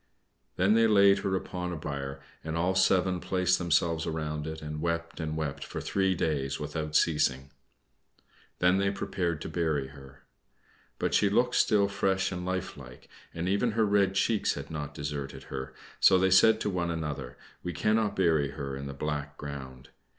Then they laid her upon a bier, and all seven placed themselves around it, and wept and wept for three days without ceasing. Then they prepared to bury her. But she looked still fresh and life like, and even her red cheeks had not deserted her, so they said to one another, "We cannot bury her in the black ground."